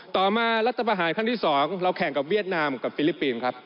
ต่อมารัฐประหารค่าที่๒เราแข่งกับเวียดนามและฟิลิปปินฯ